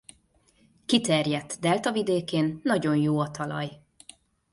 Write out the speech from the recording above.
Kiterjedt deltavidékén nagyon jó a talaj.